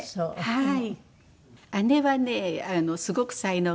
はい。